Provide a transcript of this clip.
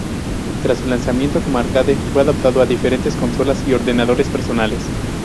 Tras su lanzamiento como arcade fue adaptado a diferentes consolas y ordenadores personales.